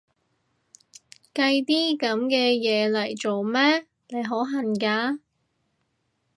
計啲噉嘅嘢嚟做咩？，你好恨嫁？